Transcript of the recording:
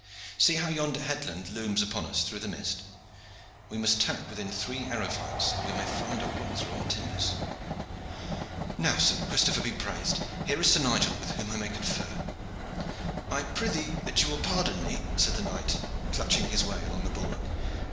See how yonder headland looms upon us through the mist! We must tack within three arrow flights, or we may find a rock through our timbers. Now, St. Christopher be praised! here is Sir Nigel, with whom I may confer." "I prythee that you will pardon me," said the knight, clutching his way along the bulwark.